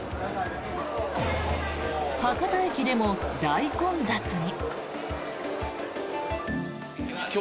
博多駅でも大混雑に。